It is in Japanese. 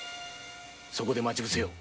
そこで待ち伏せよう！